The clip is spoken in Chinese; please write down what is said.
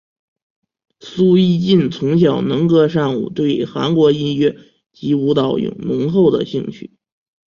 苏一晋从小能歌善舞对韩国音乐及舞蹈有浓厚的兴趣。